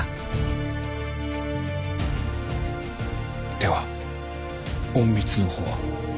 では隠密のほうは。